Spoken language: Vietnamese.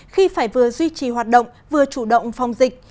khi phải vừa duy trì hoạt động vừa chủ động phòng dịch